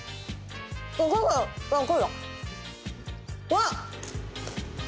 わっ！